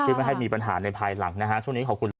ไม่ให้มีปัญหาในภายหลังนะฮะช่วงนี้ขอบคุณครับ